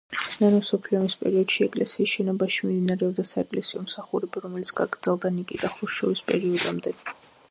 მეორე მსოფლიო ომის პერიოდში ეკლესიის შენობაში მიმდინარეობდა საეკლესიო მსახურება, რომელიც გაგრძელდა ნიკიტა ხრუშჩოვის პერიოდამდე.